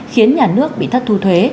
khiến nhà nước bị thất thu thuế